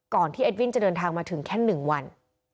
ที่เอ็ดวินจะเดินทางมาถึงแค่๑วัน